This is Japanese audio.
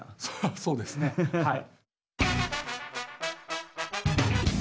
そうですねはい。